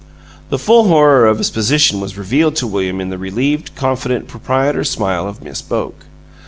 The full horror of his position was revealed to William in the relieved, confident, proprietor's smile of Miss Boke.